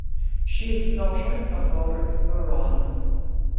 She is the daughter of Robert Buron.